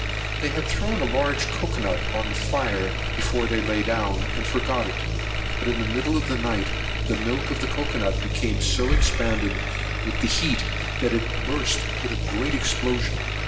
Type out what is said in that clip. They had thrown a large nut on the fire before they lay down, and forgot it; but in the middle of the night, the milk of the cocoa nut became so expanded with the heat, that it burst with a great explosion.